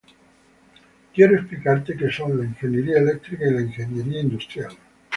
Quiero explicarte qué son la ingeniería eléctrica y la ingeniería industrial.